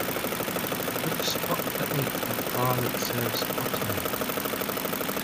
Book spot for eight at bar that serves potée